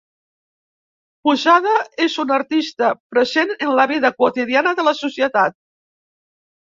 Posada és un artista present en la vida quotidiana de la societat.